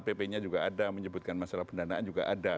pp nya juga ada menyebutkan masalah pendanaan juga ada